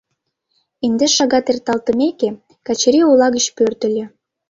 Индеш шагат эрталтымеке, Качырий ола гыч пӧртыльӧ.